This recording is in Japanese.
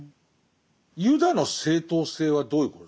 ユダの正当性はどういうことですか？